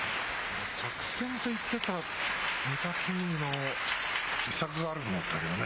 作戦と言ってた御嶽海の秘策があると思ったけどね。